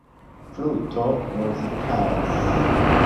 Fluto Muzikadas.